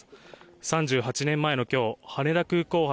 ３８年前の今日羽田空港発